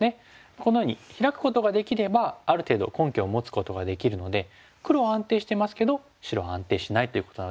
このようにヒラくことができればある程度根拠を持つことができるので黒は安定してますけど白は安定しないということなので。